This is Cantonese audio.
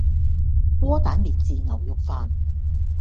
窩蛋免治牛肉飯